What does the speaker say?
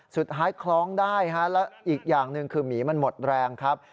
คล้องได้ฮะแล้วอีกอย่างหนึ่งคือหมีมันหมดแรงครับ